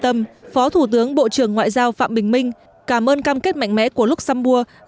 tại cuộc hội đàm phó thủ tướng bộ trưởng ngoại giao phạm bình minh cảm ơn cam kết mạnh mẽ của luxembourg